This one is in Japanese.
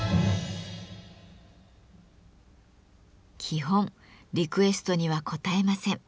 基本リクエストには応えません。